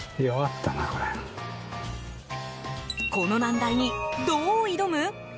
この難題にどう挑む？